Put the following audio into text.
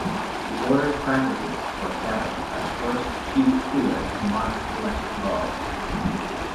The Order's practices were established by the first Chief Steward Marc Lescarbot.